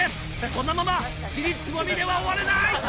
このまま尻つぼみでは終われない！